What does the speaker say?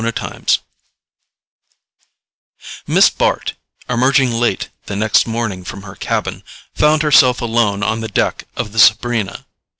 Chapter 2 Miss Bart, emerging late the next morning from her cabin, found herself alone on the deck of the Sabrina.